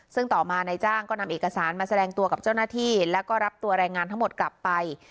ซึ่งต่อมานายจ้างก็นำเอกสารมาแสดงตัวกับเจ้าหน้าที่แล้วก็รับตัวแรงงานทั้งหมดกลับไป